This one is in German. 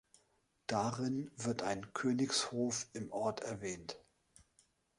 Darin wird ein Königshof im Ort erwähnt.